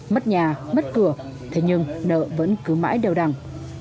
mất nhà mất cửa thế nhưng nợ vẫn cứ mãi đều đằng